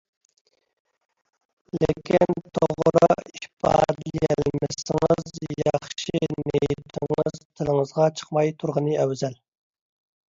لېكىن توغرا ئىپادىلىيەلمىسىڭىز ياخشى نىيىتىڭىز تىلىڭىزغا چىقماي تۇرغىنى ئەۋزەل.